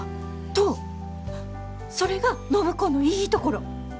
それが暢子のいいところ！